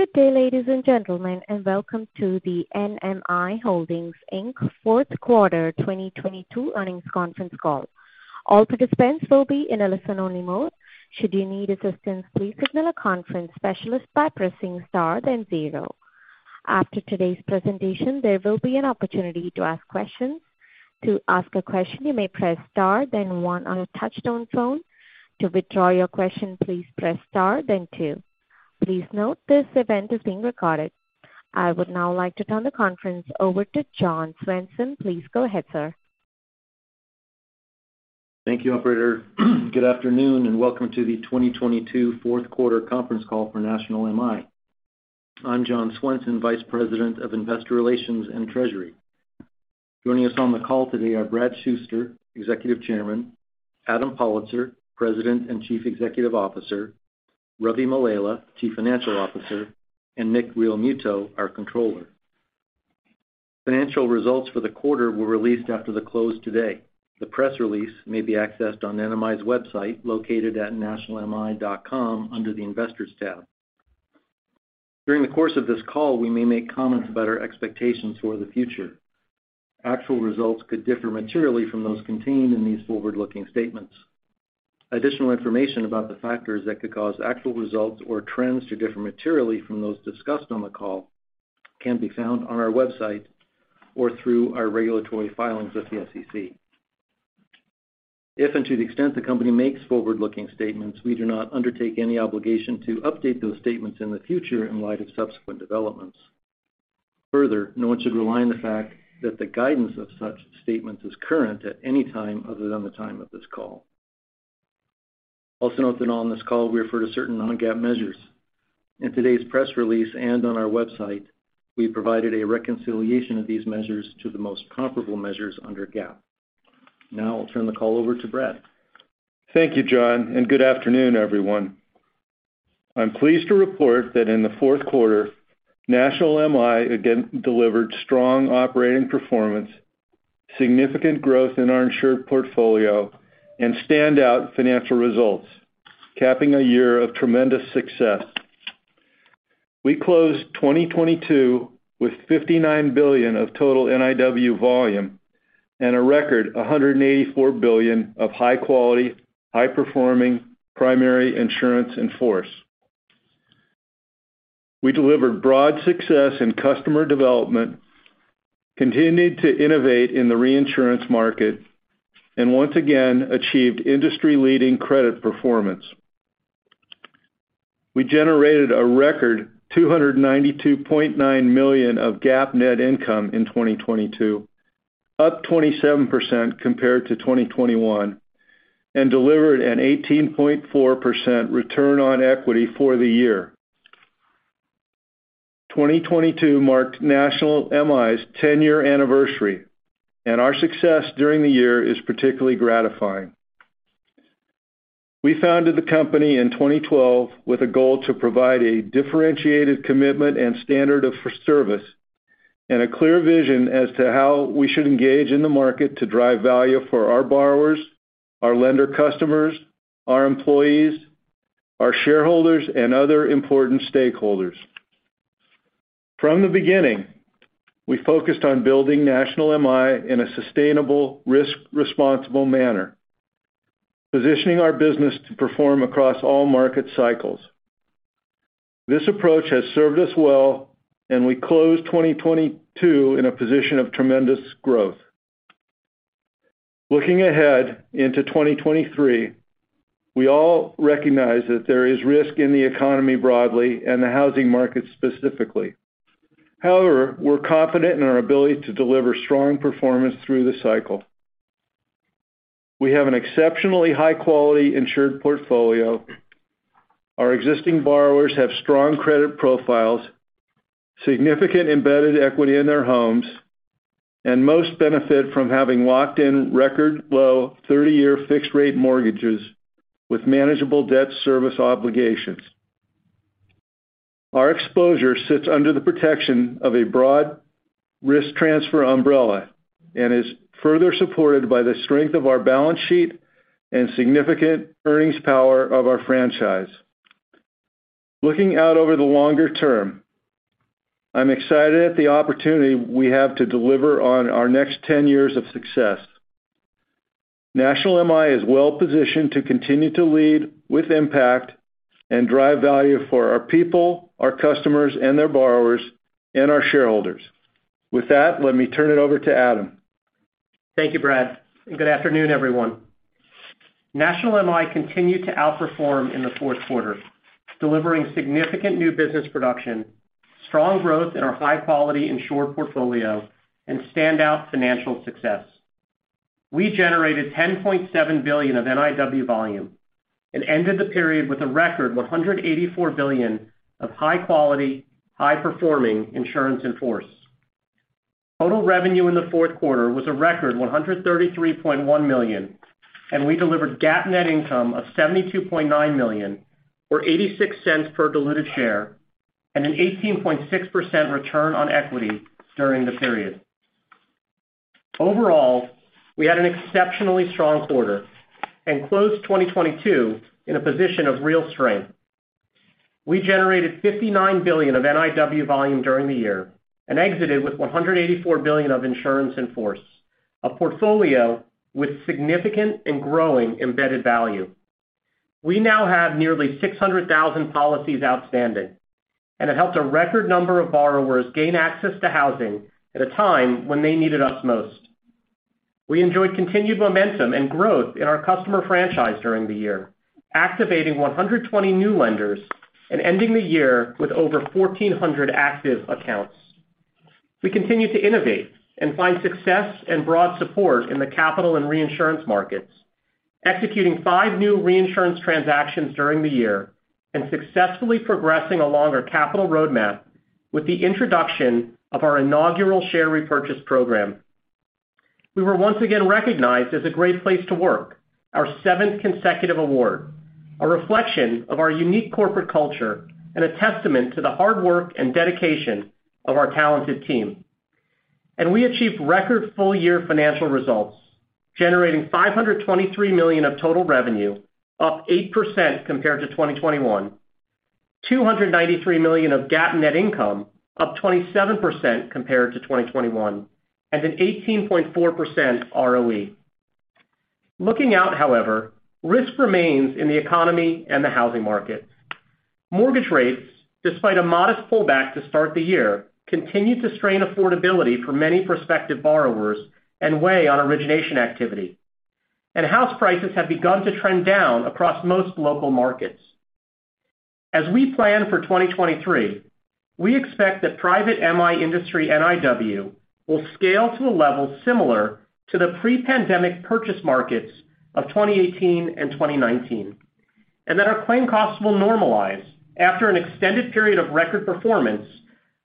Good day, ladies and gentlemen, welcome to the NMI Holdings, Inc. fourth quarter 2022 earnings conference call. All participants will be in a listen-only mode. Should you need assistance, please signal a conference specialist by pressing star then zero. After today's presentation, there will be an opportunity to ask questions. To ask a question, you may press star then one on a touch-tone phone. To withdraw your question, please press star then two. Please note this event is being recorded. I would now like to turn the conference over to John Swenson. Please go ahead, sir. Thank you, operator. Good afternoon, and welcome to the 2022 fourth quarter conference call for National MI. I'm John Swenson, Vice President of Investor Relations and Treasury. Joining us on the call today are Brad Shuster, Executive Chairman, Adam Pollitzer, President and Chief Executive Officer, Ravi Mallela, Chief Financial Officer, and Nick Realmuto, our Controller. Financial results for the quarter were released after the close today. The press release may be accessed on NMI's website, located at nationalmi.com, under the Investors tab. During the course of this call, we may make comments about our expectations for the future. Actual results could differ materially from those contained in these forward-looking statements. Additional information about the factors that could cause actual results or trends to differ materially from those discussed on the call can be found on our website or through our regulatory filings with the SEC. If and to the extent the company makes forward-looking statements, we do not undertake any obligation to update those statements in the future in light of subsequent developments. Further, no one should rely on the fact that the guidance of such statements is current at any time other than the time of this call. Also note that on this call we refer to certain non-GAAP measures. In today's press release and on our website, we provided a reconciliation of these measures to the most comparable measures under GAAP. Now I'll turn the call over to Brad. Thank you, John, and good afternoon, everyone. I'm pleased to report that in the fourth quarter, National MI again delivered strong operating performance, significant growth in our insured portfolio, and standout financial results, capping a year of tremendous success. We closed 2022 with $59 billion of total NIW volume and a record $184 billion of high-quality, high-performing primary insurance in force. We delivered broad success in customer development, continued to innovate in the reinsurance market, and once again achieved industry-leading credit performance. We generated a record $292.9 million of GAAP net income in 2022, up 27% compared to 2021, and delivered an 18.4% return on equity for the year. 2022 marked National MI's 10-year anniversary, and our success during the year is particularly gratifying. We founded the company in 2012 with a goal to provide a differentiated commitment and standard of service and a clear vision as to how we should engage in the market to drive value for our borrowers, our lender customers, our employees, our shareholders, and other important stakeholders. From the beginning, we focused on building National MI in a sustainable, risk-responsible manner, positioning our business to perform across all market cycles. This approach has served us well. We closed 2022 in a position of tremendous growth. Looking ahead into 2023, we all recognize that there is risk in the economy broadly and the housing market specifically. We're confident in our ability to deliver strong performance through the cycle. We have an exceptionally high-quality insured portfolio. Our existing borrowers have strong credit profiles, significant embedded equity in their homes, and most benefit from having locked in record low 30-year fixed rate mortgages with manageable debt service obligations. Our exposure sits under the protection of a broad risk transfer umbrella and is further supported by the strength of our balance sheet and significant earnings power of our franchise. Looking out over the longer term, I'm excited at the opportunity we have to deliver on our next 10 years of success. National MI is well-positioned to continue to lead with impact and drive value for our people, our customers and their borrowers, and our shareholders. With that, let me turn it over to Adam. Thank you, Brad. Good afternoon, everyone. National MI continued to outperform in the fourth quarter, delivering significant new business production, strong growth in our high-quality insured portfolio, and standout financial success. We generated $10.7 billion of NIW volume and ended the period with a record $184 billion of high-quality, high-performing insurance in force. Total revenue in the fourth quarter was a record $133.1 million, and we delivered GAAP net income of $72.9 million, or $0.86 per diluted share, and an 18.6% return on equity during the period. Overall, we had an exceptionally strong quarter and closed 2022 in a position of real strength. We generated $59 billion of NIW volume during the year and exited with $184 billion of insurance in force, a portfolio with significant and growing embedded value. We now have nearly 600,000 policies outstanding, and it helped a record number of borrowers gain access to housing at a time when they needed us most. We enjoyed continued momentum and growth in our customer franchise during the year, activating 120 new lenders and ending the year with over 1,400 active accounts. We continue to innovate and find success and broad support in the capital and reinsurance markets, executing 5 new reinsurance transactions during the year and successfully progressing along our capital roadmap with the introduction of our inaugural share repurchase program. We were once again recognized as a great place to work, our 7th consecutive award, a reflection of our unique corporate culture and a testament to the hard work and dedication of our talented team. We achieved record full-year financial results, generating $523 million of total revenue, up 8% compared to 2021, $293 million of GAAP net income, up 27% compared to 2021, and an 18.4% ROE. Looking out, however, risk remains in the economy and the housing market. Mortgage rates, despite a modest pullback to start the year, continue to strain affordability for many prospective borrowers and weigh on origination activity. House prices have begun to trend down across most local markets. As we plan for 2023, we expect that private MI industry NIW will scale to a level similar to the pre-pandemic purchase markets of 2018 and 2019, and that our claim costs will normalize after an extended period of record performance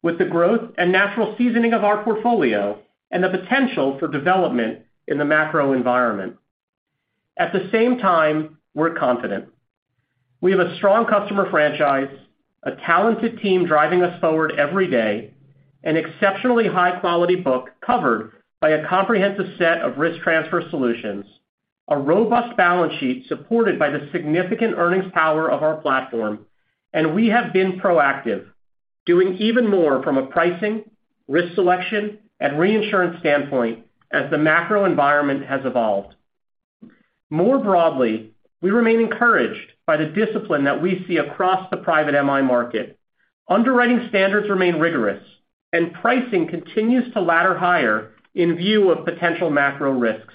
with the growth and natural seasoning of our portfolio and the potential for development in the macro environment. At the same time, we're confident. We have a strong customer franchise, a talented team driving us forward every day, an exceptionally high-quality book covered by a comprehensive set of risk transfer solutions, a robust balance sheet supported by the significant earnings power of our platform, and we have been proactive, doing even more from a pricing, risk-selection, and reinsurance standpoint as the macro environment has evolved. More broadly, we remain encouraged by the discipline that we see across the private MI market. Underwriting standards remain rigorous and pricing continues to ladder higher in view of potential macro risks.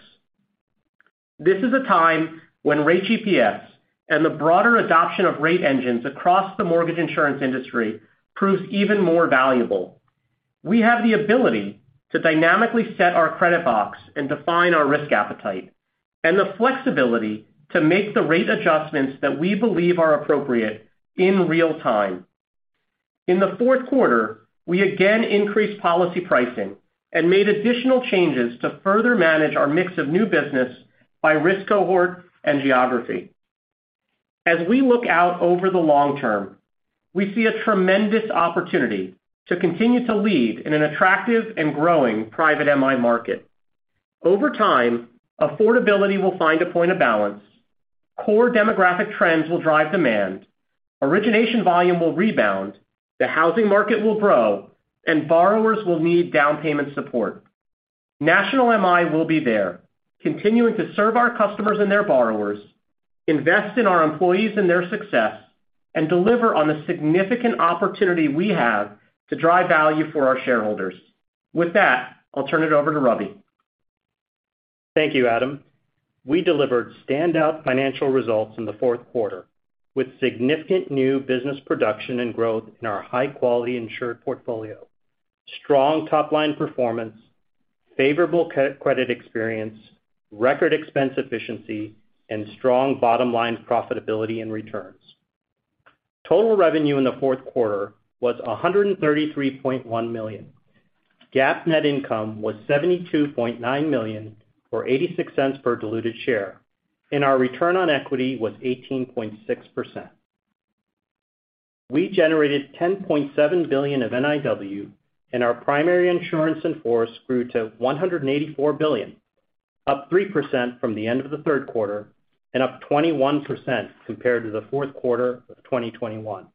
This is a time when Rate GPS and the broader adoption of rate engines across the mortgage insurance industry proves even more valuable. We have the ability to dynamically set our credit box and define our risk appetite and the flexibility to make the rate adjustments that we believe are appropriate in real time. In the fourth quarter, we again increased policy pricing and made additional changes to further manage our mix of new business by risk cohort and geography. As we look out over the long term, we see a tremendous opportunity to continue to lead in an attractive and growing private MI market. Over time, affordability will find a point of balance, core demographic trends will drive demand, origination volume will rebound, the housing market will grow, and borrowers will need down payment support. National MI will be there, continuing to serve our customers and their borrowers, invest in our employees and their success, and deliver on the significant opportunity we have to drive value for our shareholders. With that, I'll turn it over to Ravi. Thank you, Adam. We delivered standout financial results in the fourth quarter with significant new business production and growth in our high-quality insured portfolio, strong top-line performance, favorable credit experience, record expense efficiency, and strong bottom-line profitability and returns. Total revenue in the fourth quarter was $133.1 million. GAAP net income was $72.9 million, or $0.86 per diluted share, and our return on equity was 18.6%. We generated $10.7 billion of NIW, and our primary insurance in force grew to $184 billion, up 3% from the end of the third quarter and up 21% compared to the fourth quarter of 2021.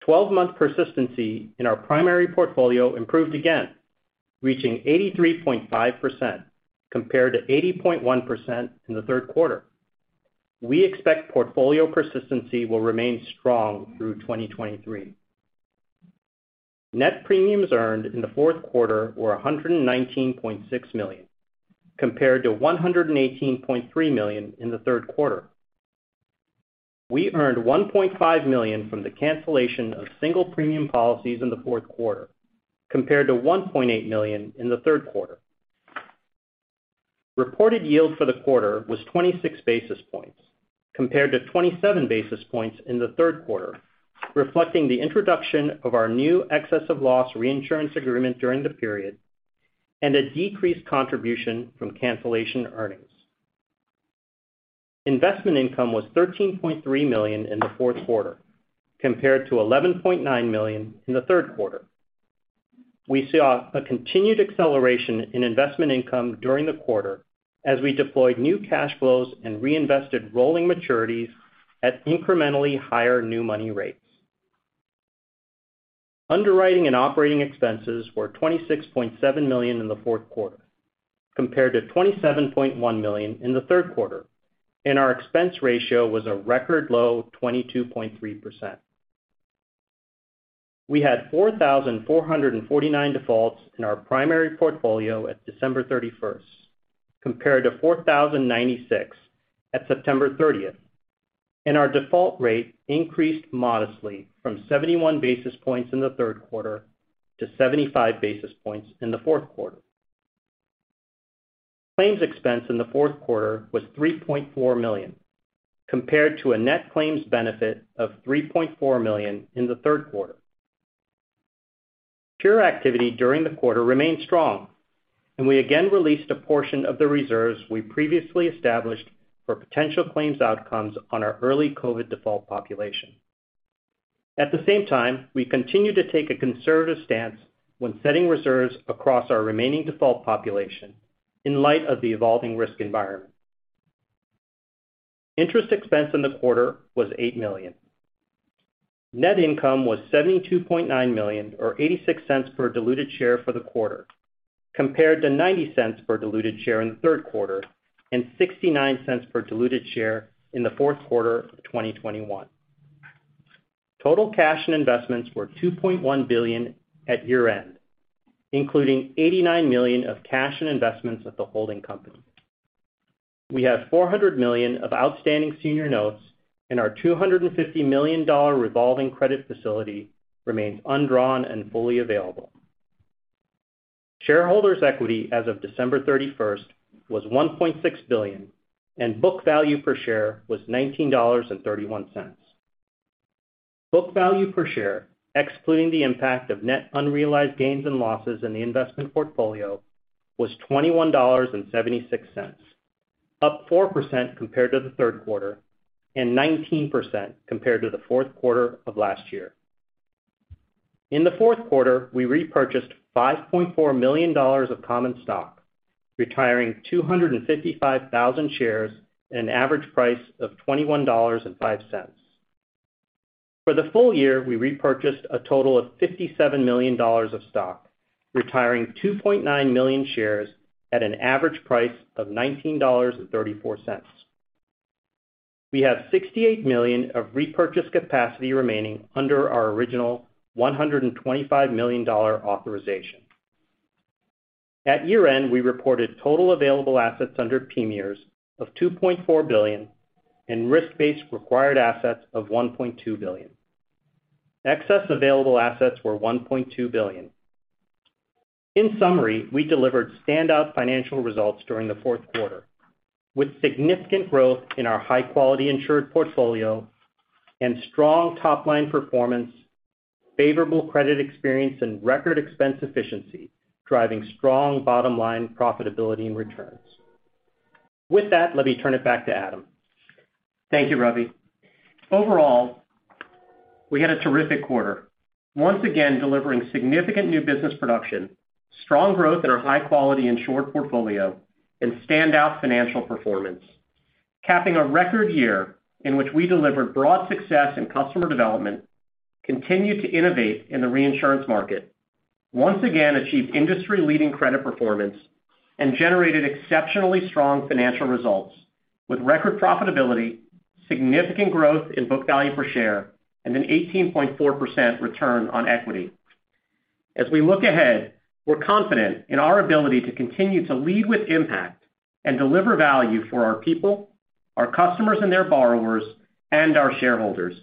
Twelve-month persistency in our primary portfolio improved again, reaching 83.5% compared to 80.1% in the third quarter. We expect portfolio persistency will remain strong through 2023. Net premiums earned in the fourth quarter were $119.6 million, compared to $118.3 million in the third quarter. We earned $1.5 million from the cancellation of single premium policies in the fourth quarter, compared to $1.8 million in the third quarter. Reported yield for the quarter was 26 basis points, compared to 27 basis points in the third quarter, reflecting the introduction of our new excess of loss reinsurance agreement during the period and a decreased contribution from cancellation earnings. Investment income was $13.3 million in the fourth quarter compared to $11.9 million in the third quarter. We saw a continued acceleration in investment income during the quarter as we deployed new cash flows and reinvested rolling maturities at incrementally higher new money rates. Underwriting and operating expenses were $26.7 million in the fourth quarter compared to $27.1 million in the third quarter. Our expense ratio was a record low of 22.3%. We had 4,449 defaults in our primary portfolio at December 31st, compared to 4,096 at September 30th. Our default rate increased modestly from 71 basis points in the third quarter to 75 basis points in the fourth quarter. Claims expense in the fourth quarter was $3.4 million, compared to a net claims benefit of $3.4 million in the third quarter. Cure activity during the quarter remained strong. We again released a portion of the reserves we previously established for potential claims outcomes on our early COVID default population. At the same time, we continue to take a conservative stance when setting reserves across our remaining default population in light of the evolving risk environment. Interest expense in the quarter was $8 million. Net income was $72.9 million or $0.86 per diluted share for the quarter, compared to $0.90 per diluted share in the third quarter and $0.69 per diluted share in the fourth quarter of 2021. Total cash and investments were $2.1 billion at year-end, including $89 million of cash and investments at the holding company. We have $400 million of outstanding senior notes, and our $250 million revolving credit facility remains undrawn and fully available. Shareholders' equity as of December 31st was $1.6 billion, and book value per share was $19.31. Book value per share, excluding the impact of net unrealized gains and losses in the investment portfolio, was $21.76, up 4% compared to the third quarter and 19% compared to the fourth quarter of last year. In the fourth quarter, we repurchased $5.4 million of common stock, retiring 255,000 shares at an average price of $21.05. For the full year, we repurchased a total of $57 million of stock, retiring 2.9 million shares at an average price of $19.34. We have $68 million of repurchase capacity remaining under our original $125 million authorization. At year-end, we reported total available assets under PMIERs of $2.4 billion and risk-based required assets of $1.2 billion. Excess available assets were $1.2 billion. In summary, we delivered standout financial results during the fourth quarter, with significant growth in our high-quality insured portfolio and strong top-line performance, favorable credit experience, and record expense efficiency driving strong bottom-line profitability and returns. With that, let me turn it back to Adam. Thank you, Ravi. Overall, we had a terrific quarter, once again delivering significant new business production, strong growth in our high-quality insured portfolio, and standout financial performance, capping a record year in which we delivered broad success in customer development, continued to innovate in the reinsurance market, once again achieved industry-leading credit performance, and generated exceptionally strong financial results with record profitability, significant growth in book value per share, and an 18.4% return on equity. As we look ahead, we're confident in our ability to continue to lead with impact and deliver value for our people, our customers and their borrowers, and our shareholders.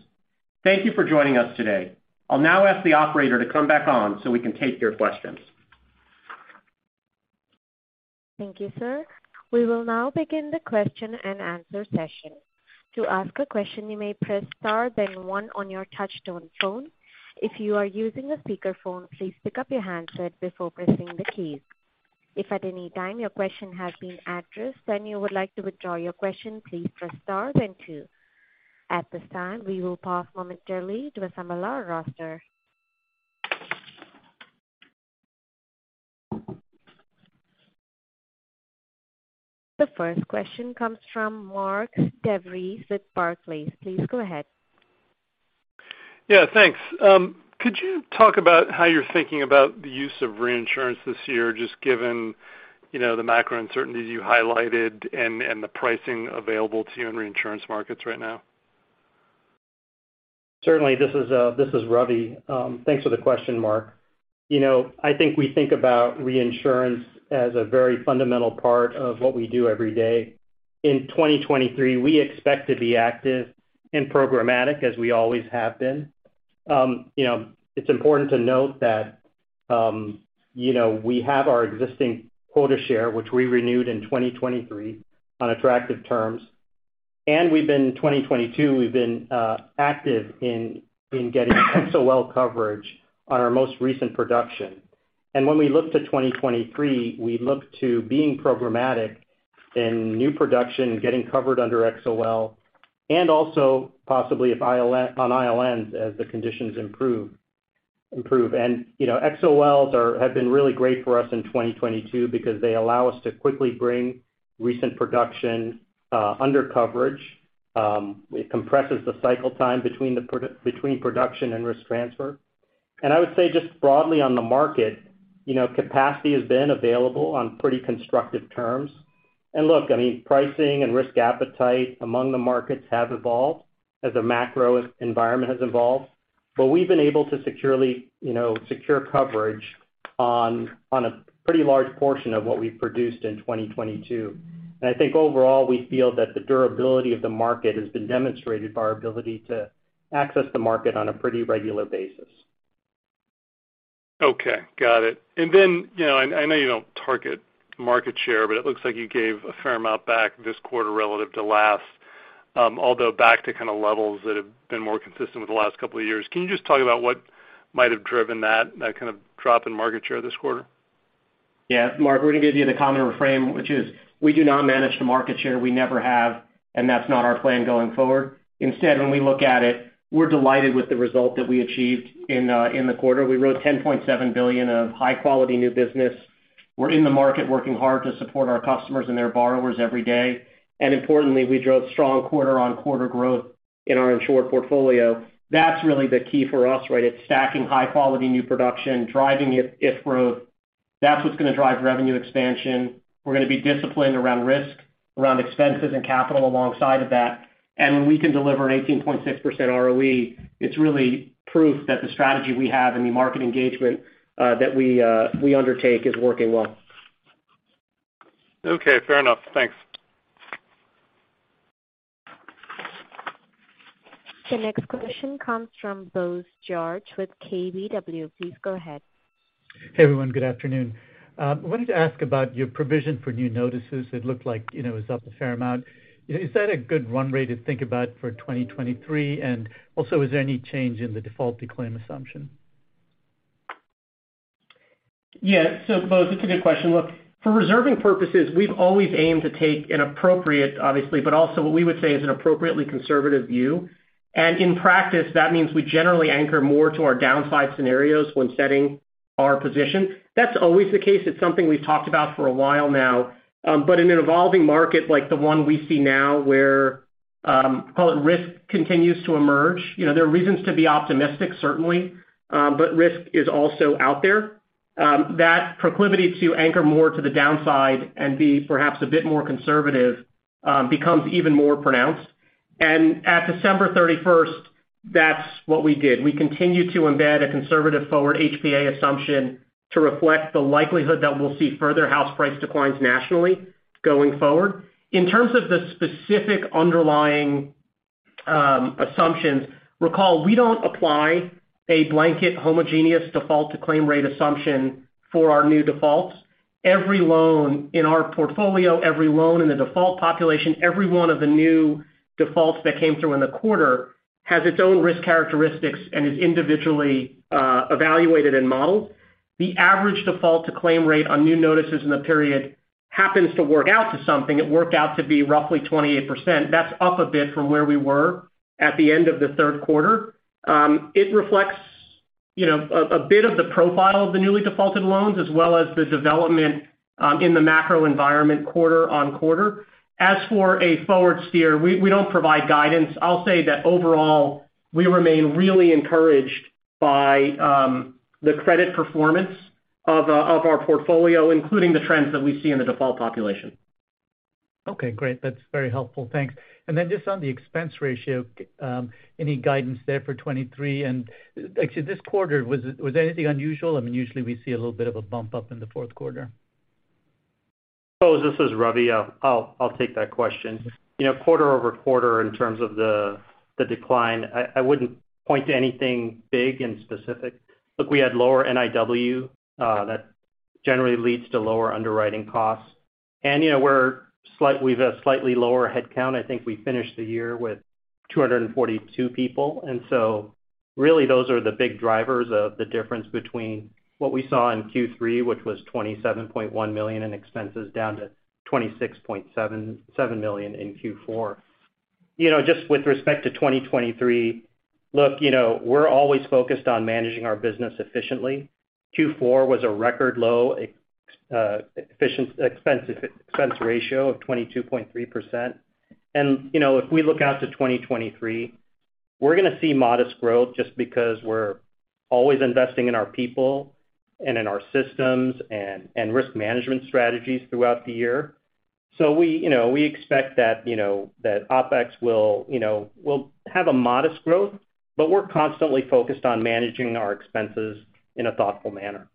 Thank you for joining us today. I'll now ask the operator to come back on so we can take your questions. Thank you, sir. We will now begin the question-and-answer session. To ask a question, you may press star one on your touchtone phone. If you are using a speakerphone, please pick up your handset before pressing the keys. If at any time your question has been addressed and you would like to withdraw your question, please press star two. At this time, we will pause momentarily to assemble our roster. The first question comes from Mark DeVries with Barclays. Please go ahead. Yeah, thanks. Could you talk about how you're thinking about the use of reinsurance this year, just given, you know, the macro uncertainties you highlighted and the pricing available to you in reinsurance markets right now? Certainly. This is Ravi. Thanks for the question, Mark. You know, I think we think about reinsurance as a very fundamental part of what we do every day. In 2023, we expect to be active and programmatic as we always have been. You know, it's important to note that, you know, we have our existing quota share, which we renewed in 2023 on attractive terms. We've been 2022, active in getting XOL coverage on our most recent production. When we look to 2023, we look to being programmatic in new production, getting covered under XOL, and also possibly on ILNs as the conditions improve. You know, XOLs have been really great for us in 2022 because they allow us to quickly bring recent production under coverage. It compresses the cycle time between production and risk transfer. I would say just broadly on the market, you know, capacity has been available on pretty constructive terms. Look, I mean, pricing and risk appetite among the markets have evolved as the macro environment has evolved. We've been able to securely, you know, secure coverage on a pretty large portion of what we've produced in 2022. I think overall, we feel that the durability of the market has been demonstrated by our ability to access the market on a pretty regular basis. Okay, got it. You know, I know you don't target market share, but it looks like you gave a fair amount back this quarter relative to last, although back to kind of levels that have been more consistent with the last couple of years. Can you just talk about what might have driven that kind of drop in market share this quarter? Yeah. Mark, we're going to give you the common reframe, which is we do not manage the market share, we never have. That's not our plan going forward. Instead, when we look at it, we're delighted with the result that we achieved in the quarter. We wrote $10.7 billion of high-quality new business. We're in the market working hard to support our customers and their borrowers every day. Importantly, we drove strong quarter-on-quarter growth in our insured portfolio. That's really the key for us, right? It's stacking high-quality new production, driving it growth. That's what's going to drive revenue expansion. We're going to be disciplined around risk, around expenses and capital alongside of that. When we can deliver an 18.6% ROE, it's really proof that the strategy we have and the market engagement that we undertake is working well. Okay, fair enough. Thanks. The next question comes from Bose George with KBW. Please go ahead. Hey, everyone. Good afternoon. Wanted to ask about your provision for new notices. It looked like, you know, it was up a fair amount. Is that a good run rate to think about for 2023? Also, is there any change in the default-to-claim assumption? Bose, it's a good question. Look, for reserving purposes, we've always aimed to take an appropriate, obviously, but also what we would say is an appropriately conservative view. In practice, that means we generally anchor more to our downside scenarios when setting our position. That's always the case. It's something we've talked about for a while now. But in an evolving market like the one we see now, where, call it risk continues to emerge, you know, there are reasons to be optimistic, certainly, but risk is also out there. That proclivity to anchor more to the downside and be perhaps a bit more conservative, becomes even more pronounced. At December 31st, that's what we did. We continued to embed a conservative forward HPA assumption to reflect the likelihood that we'll see further house price declines nationally going forward. In terms of the specific underlying assumptions, recall, we don't apply a blanket homogeneous default-to-claim rate assumption for our new defaults. Every loan in our portfolio, every loan in the default population, every one of the new defaults that came through in the quarter has its own risk characteristics and is individually evaluated and modeled. The average default-to-claim rate on new notices in the period happens to work out to something. It worked out to be roughly 28%. That's up a bit from where we were at the end of the third quarter. It reflects, you know, a bit of the profile of the newly defaulted loans as well as the development in the macro environment quarter on quarter. As for a forward steer, we don't provide guidance. I'll say that overall, we remain really encouraged by the credit performance of our portfolio, including the trends that we see in the default population. Okay, great. That's very helpful. Thanks. Then just on the expense ratio, any guidance there for 23? Actually this quarter, was there anything unusual? I mean, usually we see a little bit of a bump up in the fourth quarter. Bose, this is Ravi. I'll take that question. You know, quarter-over-quarter in terms of the decline, I wouldn't point to anything big and specific. Look, we had lower NIW, that generally leads to lower underwriting costs. You know, we've a slightly lower headcount. I think we finished the year with 242 people. Really those are the big drivers of the difference between what we saw in Q3, which was $27.1 million in expenses, down to $26.77 million in Q4. You know, just with respect to 2023, look, you know, we're always focused on managing our business efficiently. Q4 was a record low expense ratio of 22.3%. You know, if we look out to 2023, we're going to see modest growth just because we're always investing in our people and in our systems and risk management strategies throughout the year. We, you know, we expect that, you know, that OpEx will, you know, have a modest growth, but we're constantly focused on managing our expenses in a thoughtful manner.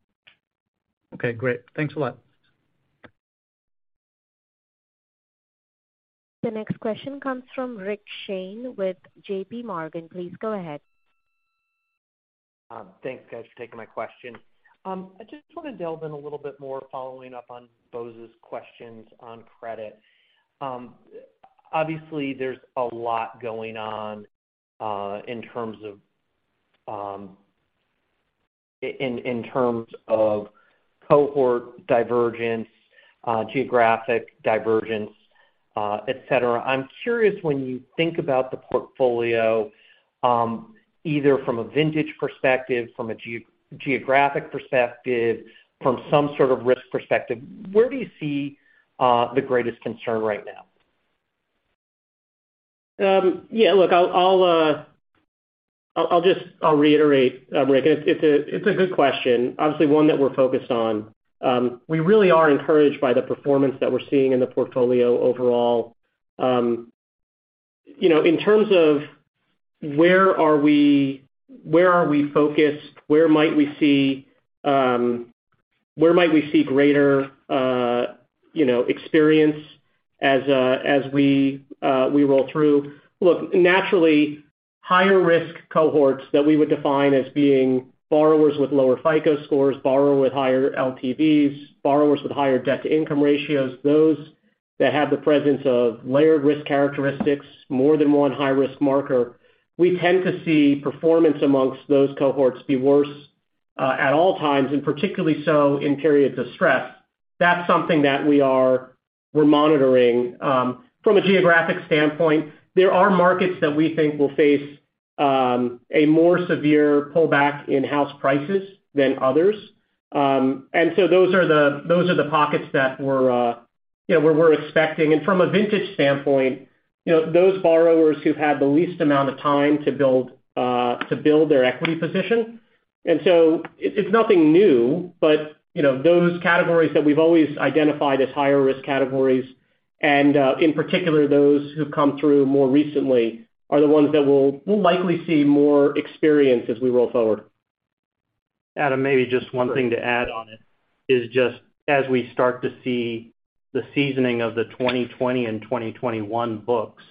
Okay, great. Thanks a lot. The next question comes from Rick Shane with JPMorgan. Please go ahead. Thanks guys for taking my question. I just want to delve in a little bit more following up on Bose's questions on credit. Obviously there's a lot going on. In terms of cohort divergence, geographic divergence, etc. I'm curious when you think about the portfolio, either from a vintage perspective, from a geographic perspective, from some sort of risk perspective, where do you see, the greatest concern right now? I'll just reiterate, Rick, it's a good question, obviously one that we're focused on. We really are encouraged by the performance that we're seeing in the portfolio overall. You know, in terms of where are we, where are we focused? Where might we see greater, you know, experience as we roll through? Naturally higher risk cohorts that we would define as being borrowers with lower FICO scores, borrower with higher LTVs, borrowers with higher debt-to-income ratios, those that have the presence of layered risk characteristics, more than one high-risk marker. We tend to see performance amongst those cohorts be worse at all times, and particularly so in periods of stress. That's something that we're monitoring. From a geographic standpoint, there are markets that we think will face a more severe pullback in house prices than others. Those are the pockets that we're, you know, we're expecting. From a vintage standpoint, you know, those borrowers who've had the least amount of time to build their equity position. It's nothing new, but, you know, those categories that we've always identified as higher risk categories, and in particular, those who've come through more recently, are the ones that we'll likely see more experience as we roll forward. Adam, maybe just one thing to add on it is just as we start to see the seasoning of the 2020 and 2021 books,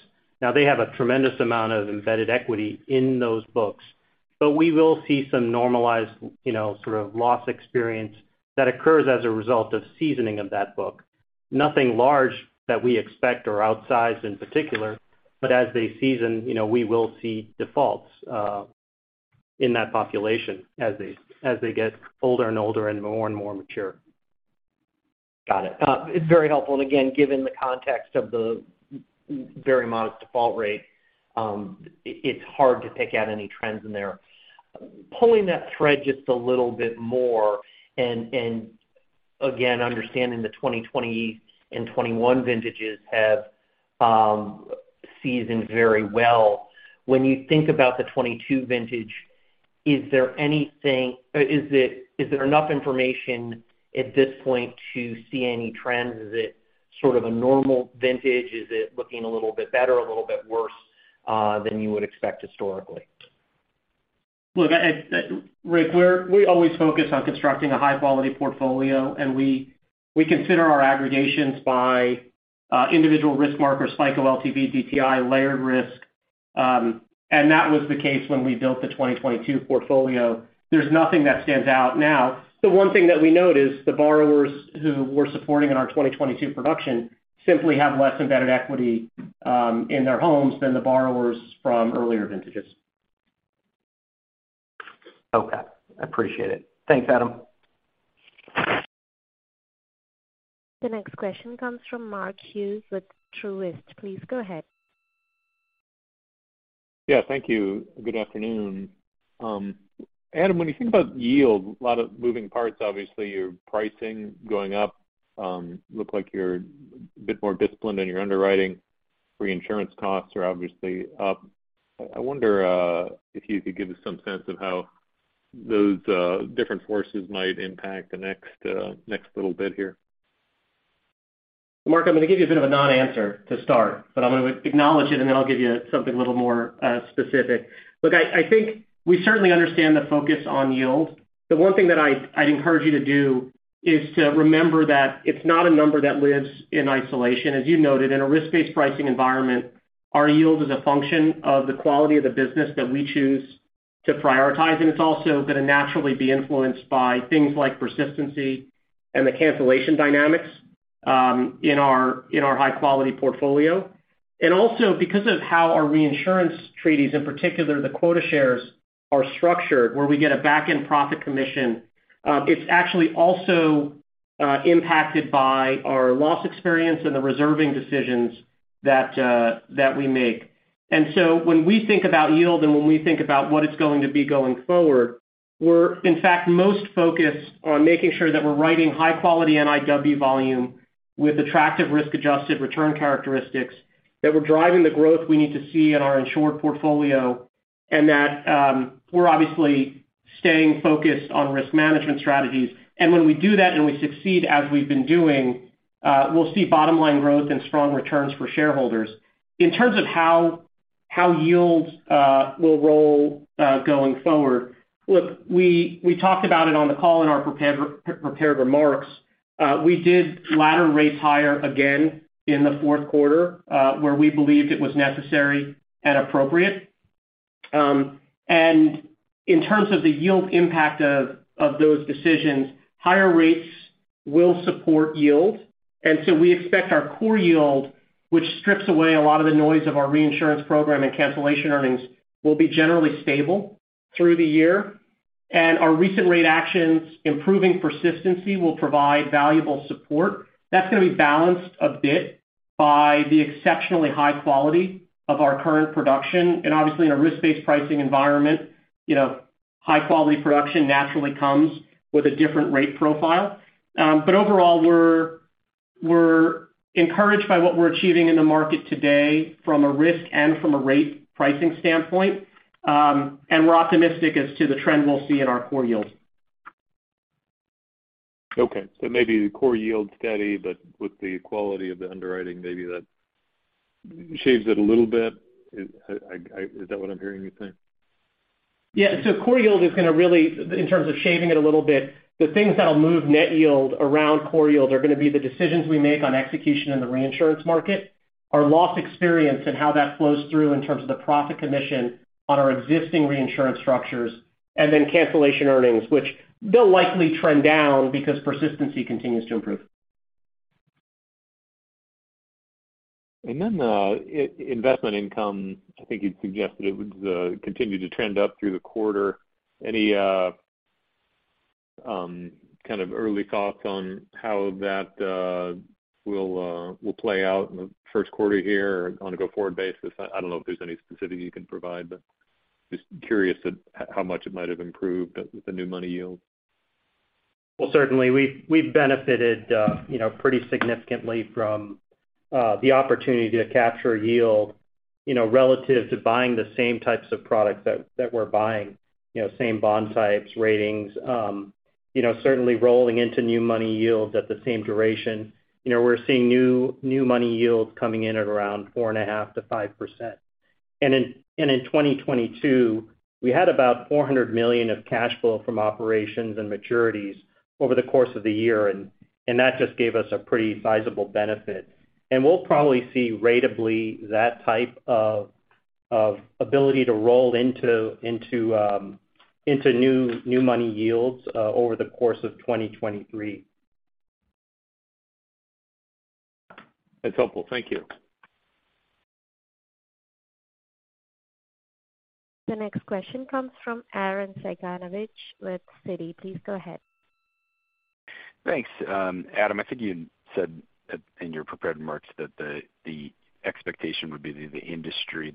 now they have a tremendous amount of embedded equity in those books. We will see some normalized, you know, sort of loss experience that occurs as a result of seasoning of that book. Nothing large that we expect or outsized in particular, but as they season, you know, we will see defaults in that population as they get older and older and more and more mature. Got it. It's very helpful. Again, given the context of the very modest default rate, it's hard to pick out any trends in there. Pulling that thread just a little bit more, and again, understanding the 2020 and 2021 vintages have seasoned very well. When you think about the 2022 vintage, is there enough information at this point to see any trends? Is it sort of a normal vintage? Is it looking a little bit better, a little bit worse than you would expect historically? Look, Rick, we always focus on constructing a high-quality portfolio, and we consider our aggregations by individual risk markers, FICO, LTV, DTI, layered risk. That was the case when we built the 2022 portfolio. There's nothing that stands out now. The one thing that we note is the borrowers who we're supporting in our 2022 production simply have less embedded equity in their homes than the borrowers from earlier vintages. Okay, I appreciate it. Thanks, Adam. The next question comes from Mark Hughes with Truist. Please go ahead. Yeah, thank you. Good afternoon. Adam, when you think about yield, a lot of moving parts, obviously your pricing going up, look like you're a bit more disciplined in your underwriting. Reinsurance costs are obviously up. I wonder if you could give us some sense of how those different forces might impact the next little bit here? Mark, I'm going to give you a bit of a non-answer to start, but I'm going to acknowledge it, and then I'll give you something a little more specific. Look, I think we certainly understand the focus on yield. The one thing that I'd encourage you to do is to remember that it's not a number that lives in isolation. As you noted, in a risk-based pricing environment, our yield is a function of the quality of the business that we choose to prioritize, and it's also going to naturally be influenced by things like persistency and the cancellation dynamics, in our, in our high-quality portfolio. Also because of how our reinsurance treaties, in particular, the quota shares are structured, where we get a back-end profit commission, it's actually also impacted by our loss experience and the reserving decisions that we make. When we think about yield and when we think about what it's going to be going forward, we're in fact most focused on making sure that we're writing high-quality NIW volume with attractive risk-adjusted return characteristics that we're driving the growth we need to see in our insured portfolio and that we're obviously staying focused on risk management strategies. When we do that and we succeed as we've been doing, we'll see bottom-line growth and strong returns for shareholders. In terms of how yields will roll going forward. Look, we talked about it on the call in our prepared remarks. We did ladder rates higher again in the fourth quarter, where we believed it was necessary and appropriate. And in terms of the yield impact of those decisions, higher rates will support yield. We expect our core yield, which strips away a lot of the noise of our reinsurance program and cancellation earnings, will be generally stable through the year. Our recent rate actions improving persistency will provide valuable support. That's going to be balanced a bit by the exceptionally high quality of our current production. Obviously in a risk-based pricing environment, you know, high quality production naturally comes with a different rate profile. Overall, we're encouraged by what we're achieving in the market today from a risk and from a rate pricing standpoint. We're optimistic as to the trend we'll see in our core yields. Maybe the core yield steady, but with the quality of the underwriting, maybe that shaves it a little bit. Is that what I'm hearing you say? Yeah. Core yield is going to really, in terms of shaving it a little bit, the things that'll move net yield around core yield are going to be the decisions we make on execution in the reinsurance market, our loss experience and how that flows through in terms of the profit commission on our existing reinsurance structures, and then cancellation earnings, which they'll likely trend down because persistency continues to improve. Investment income, I think you'd suggested it would continue to trend up through the quarter. Any kind of early thoughts on how that will play out in the first quarter here on a go-forward basis? I don't know if there's any specificity you can provide, but just curious at how much it might have improved with the new money yield? Well, certainly we've benefited, you know, pretty significantly from the opportunity to capture yield, you know, relative to buying the same types of products that we're buying. You know, same bond types, ratings, you know, certainly rolling into new money yields at the same duration. You know, we're seeing new money yields coming in at around 4.5%–5%. In 2022, we had about $400 million of cash flow from operations and maturities over the course of the year, that just gave us a pretty sizable benefit. We'll probably see ratably that type of ability to roll into new money yields over the course of 2023. That's helpful. Thank you. The next question comes from Arren Cyganovich with Citi. Please go ahead. Thanks. Adam, I think you said in your prepared remarks that the expectation would be the industry,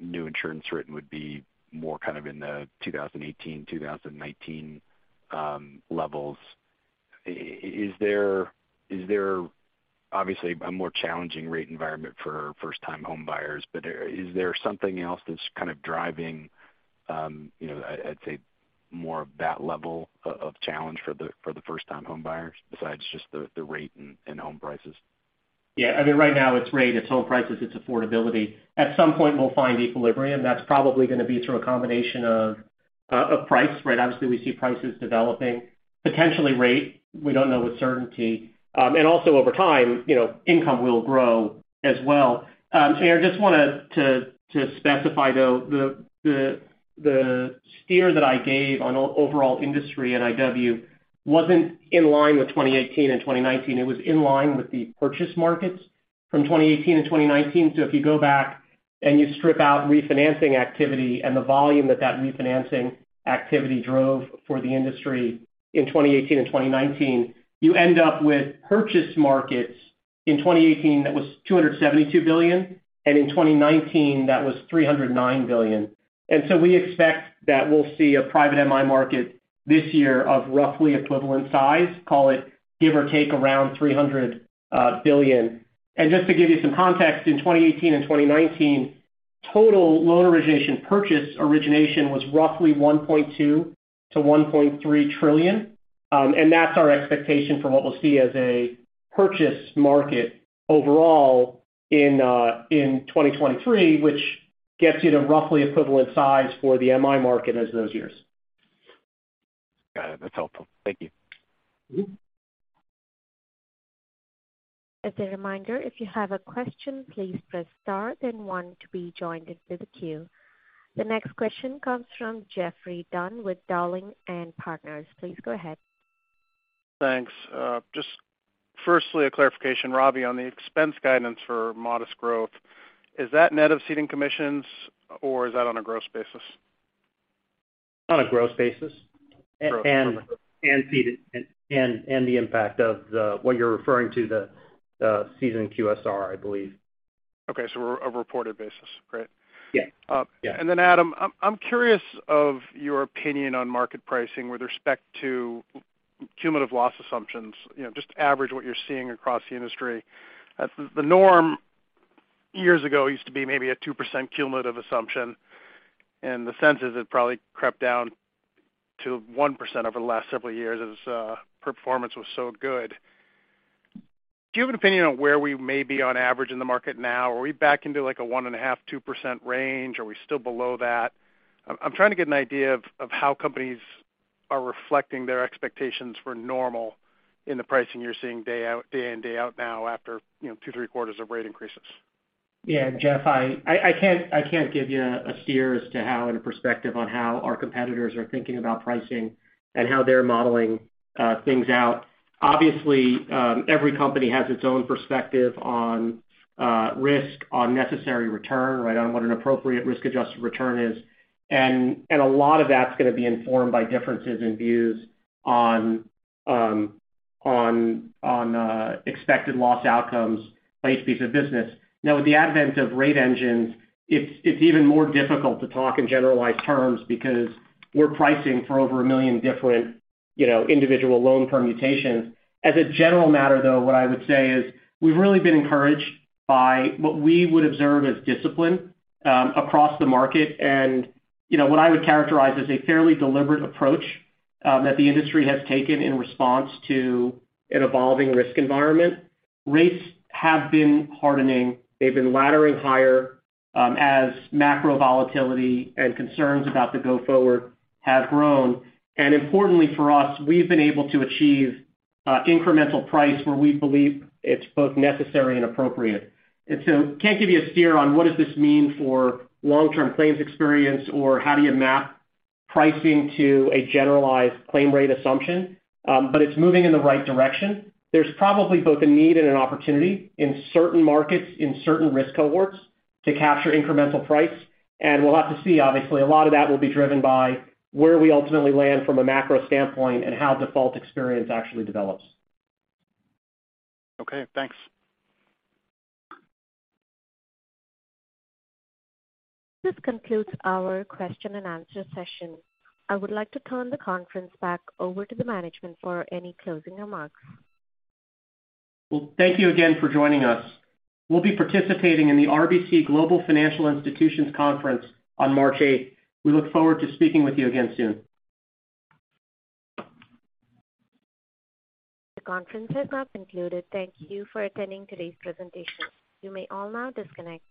new insurance written would be more kind of in the 2018, 2019 levels. Is there obviously a more challenging rate environment for first-time home buyers, but is there something else that's kind of driving, you know, I'd say more of that level of challenge for the first-time home buyers besides just the rate and home prices? Yeah. I mean, right now it's rate, it's home prices, it's affordability. At some point, we'll find equilibrium. That's probably going to be through a combination of price, right? Obviously, we see prices developing. Potentially rate, we don't know with certainty. Also over time, you know, income will grow as well. Arren, just wanted to specify though, the steer that I gave on overall industry at IW wasn't in line with 2018 and 2019. It was in line with the purchase markets from 2018 and 2019. If you go back and you strip out refinancing activity and the volume that that refinancing activity drove for the industry in 2018 and 2019, you end up with purchase markets in 2018 that was $272 billion, and in 2019 that was $309 billion. We expect that we'll see a private MI market this year of roughly equivalent size, call it give or take around $300 billion. Just to give you some context, in 2018 and 2019, total loan origination purchase origination was roughly $1.2 trillion–$1.3 trillion. That's our expectation for what we'll see as a purchase market overall in 2023, which gets you to roughly equivalent size for the MI market as those years. Got it. That's helpful. Thank you. Mm-hmm. As a reminder, if you have a question, please press star then one to be joined into the queue. The next question comes from Geoffrey Dunn with Dowling & Partners. Please go ahead. Thanks. Just firstly, a clarification, Ravi, on the expense guidance for modest growth. Is that net of ceding commissions or is that on a gross basis? On a gross basis. Gross. Ceded and the impact of the, what you're referring to, the seasoned QSR, I believe. Okay. A reported basis, correct? Yeah. Yeah. Adam, I'm curious of your opinion on market pricing with respect to cumulative loss assumptions. You know, just average what you're seeing across the industry. The norm years ago used to be maybe a 2% cumulative assumption, and the sense is it probably crept down to 1% over the last several years as performance was so good. Do you have an opinion on where we may be on average in the market now? Are we back into like a 1.5%–2% range? Are we still below that? I'm trying to get an idea of how companies are reflecting their expectations for normal in the pricing you're seeing day out, day in, day out now after, you know, two, three quarters of rate increases. Yeah, Jeff, I can't give you a steer as to how and a perspective on how our competitors are thinking about pricing and how they're modeling things out. Obviously, every company has its own perspective on risk, on necessary return, right, on what an appropriate risk-adjusted return is. A lot of that's going to be informed by differences in views on expected loss outcomes by each piece of business. Now, with the advent of rate engines, it's even more difficult to talk in generalized terms because we're pricing for over 1 million different, you know, individual loan permutations. As a general matter, though, what I would say is we've really been encouraged by what we would observe as discipline across the market. you know, what I would characterize as a fairly deliberate approach, that the industry has taken in response to an evolving risk environment. Rates have been hardening. They've been laddering higher, as macro volatility and concerns about the go forward have grown. Importantly for us, we've been able to achieve, incremental price where we believe it's both necessary and appropriate. So can't give you a steer on what does this mean for long-term claims experience or how do you map pricing to a generalized claim rate assumption, but it's moving in the right direction. There's probably both a need and an opportunity in certain markets, in certain risk cohorts to capture incremental price, and we'll have to see. Obviously, a lot of that will be driven by where we ultimately land from a macro standpoint and how default experience actually develops. Okay, thanks. This concludes our question and answer session. I would like to turn the conference back over to the management for any closing remarks. Well, thank you again for joining us. We'll be participating in the RBC Global Financial Institutions Conference on March 8. We look forward to speaking with you again soon. The conference has now concluded. Thank you for attending today's presentation. You may all now disconnect.